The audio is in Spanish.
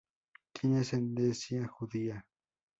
Tiene ascendencia judía.